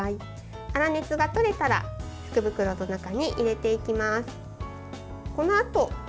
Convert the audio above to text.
粗熱がとれたら福袋の中に入れていきます。